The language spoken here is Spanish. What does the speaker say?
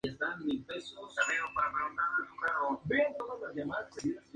En esquí alpino paralímpico, Peris es una esquiadora sentada.